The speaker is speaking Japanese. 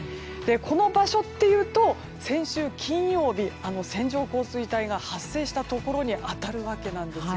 この場所というと、先週金曜日線状降水帯が発生したところに当たるわけなんですよ。